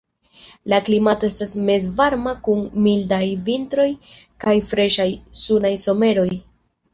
La klimato estas mezvarma kun mildaj vintroj kaj freŝaj, sunaj someroj.